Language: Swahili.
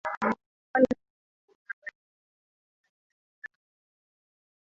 wala si mimi tena bali Kristo yu hai ndani yangu